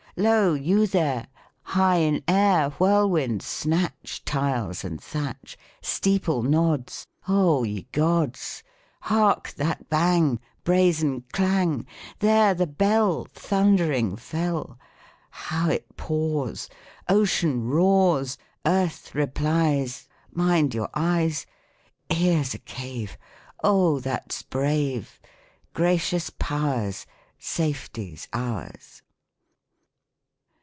" Lq you there ! High in air Whirlwinds snatch Tiles and thatch ! Steeple nods ! Oh ! ye Gods ! Hark !— that bang !— Brazen clang ! There the bell Thund'ring fell ! How it pours ! Ocean roars, Earth replies — Mind your eyes — Here's a cave — Oh ! that's brave ! Gracious Powers Safety's ours